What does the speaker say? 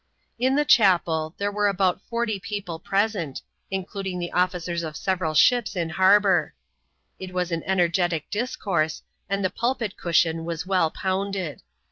In the chapel there were about forty people present, including the ofiicers of seteral ships in harbour. It was an energetic discoume, and the pulpit cushion was well pounded.